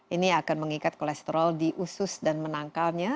ini akan mengikat kolesterol di usus dan menangkalnya